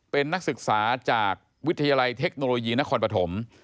เป็นนักศึกษาจากวิทยาลัยเทคโนโลยีนครปฐม